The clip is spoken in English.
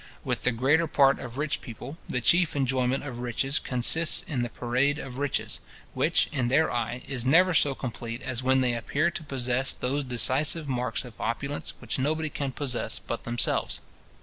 With the greater part of rich people, the chief enjoyment of riches consists in the parade of riches; which, in their eye, is never so complete as when they appear to possess those decisive marks of opulence which nobody can possess but themselves.